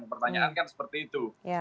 pertanyaan kan seperti itu